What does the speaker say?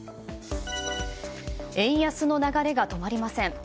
円安の流れが止まりません。